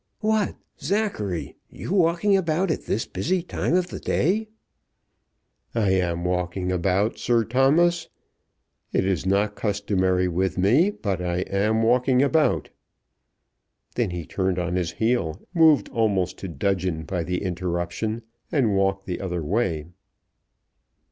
"What, Zachary; you walking about at this busy time of the day?" "I am walking about, Sir Thomas. It is not customary with me, but I am walking about." Then he turned on his heel, moved almost to dudgeon by the interruption, and walked the other way.